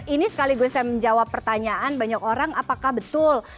ini sekali gue mau jawab pertanyaan banyak orang apakah betul